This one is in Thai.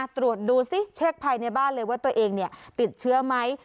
ตรวจดูซิเช็คภายในบ้านเลยว่าตัวเองติดเชื้อไหม